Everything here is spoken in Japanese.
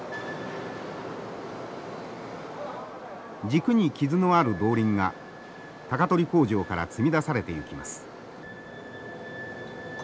軸に傷のある動輪が鷹取工場から積み出されていきます。